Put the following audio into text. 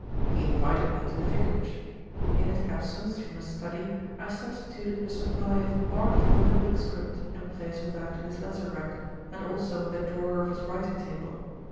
He invited me to the vicarage. In his absence from his study I substituted a supply of marked Olympic Script in place of that in his letter rack, and also in the drawer of his writing table.